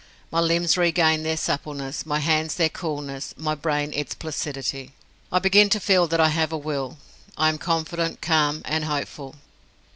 My limbs regain their suppleness, my hands their coolness, my brain its placidity. I begin to feel that I have a will. I am confident, calm, and hopeful.